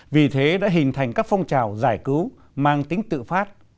vì thế đã hình thành các phong trào giải cứu mang tính tự phát